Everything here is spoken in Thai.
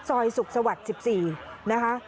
ซอยสุขสวัสดิ์๑๔นะคะ